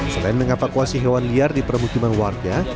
selain mengevakuasi hewan liar di permukiman warga